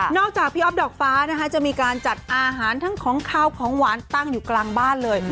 จากพี่อ๊อฟดอกฟ้านะคะจะมีการจัดอาหารทั้งของขาวของหวานตั้งอยู่กลางบ้านเลย